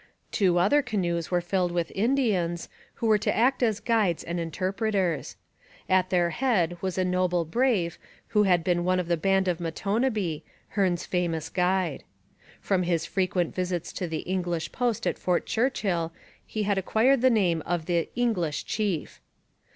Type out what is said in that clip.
Two other canoes were filled with Indians, who were to act as guides and interpreters. At their head was a notable brave who had been one of the band of Matonabbee, Hearne's famous guide. From his frequent visits to the English post at Fort Churchill he had acquired the name of the 'English Chief.'